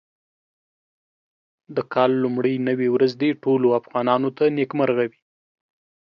د کال لومړۍ نوې ورځ دې ټولو افغانانو ته نېکمرغه وي.